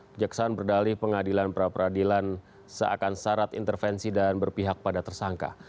kejaksaan berdalih pengadilan pra peradilan seakan syarat intervensi dan berpihak pada tersangka